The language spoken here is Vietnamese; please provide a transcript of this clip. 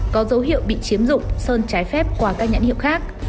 có dấu hiệu bị chiếm dụng sơn trái phép qua các nhãn hiệu khác